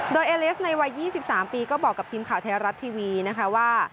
โดยเอเลสในวัย๒๓ปีก็บอกกับทีมข่าวไทยรัฐทีวีนะคะว่า